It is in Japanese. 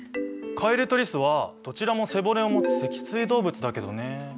カエルとリスはどちらも背骨をもつ脊椎動物だけどね。